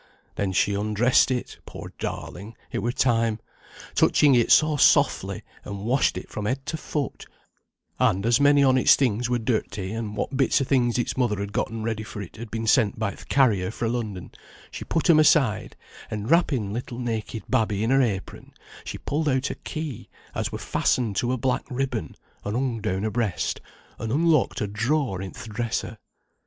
Then she undressed it (poor darling! it were time), touching it so softly; and washed it from head to foot, and as many on its things were dirty; and what bits o' things its mother had gotten ready for it had been sent by th' carrier fra London, she put 'em aside; and wrapping little naked babby in her apron, she pulled out a key, as were fastened to a black ribbon, and hung down her breast, and unlocked a drawer in th' dresser.